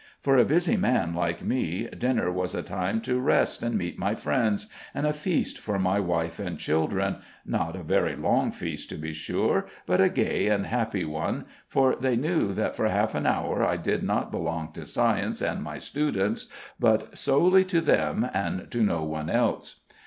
For a busy man like me dinner was a time to rest and meet my friends, and a feast for my wife and children, not a very long feast, to be sure, but a gay and happy one, for they knew that for half an hour I did not belong to science and my students, but solely to them and to no one else.